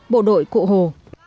bộ đội cụ hồ